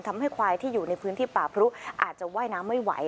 ทำให้ควายที่อยู่ในพื้นที่ป่าพรุอาจจะว่ายน้ำไม่ไหว